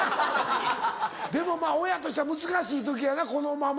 でもまぁ親としては難しい時やなこのまま。